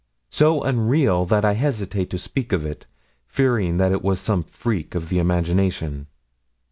so unreal that I hesitated to speak of it, fearing that it was some freak of the imagination."